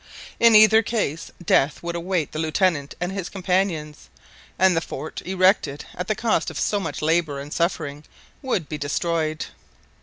In either case death would await the Lieutenant and his companions, and the fort, erected at the cost of so much labour and suffering, would be destroyed.